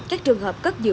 các trường hợp cất biến